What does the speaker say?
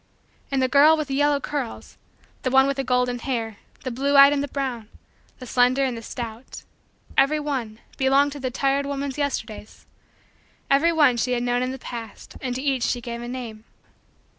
And the girl with the yellow curls the one with the golden hair the blue eyed, and the brown the slender and the stout every one belonged to the tired woman's Yesterdays every one she had known in the past and to each she gave a name.